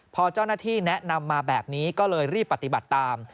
พอเจ้าหน้าที่แนะนำมาแบบนี้ก็เลยรีบปฏิบัติตาม